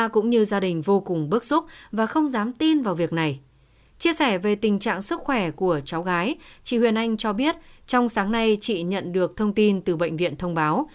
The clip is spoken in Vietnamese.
chia sẻ về tình trạng sức khỏe của cháu gái chị huyền anh cho biết trong sáng nay chị nhận được thông tin từ bệnh viện thông báo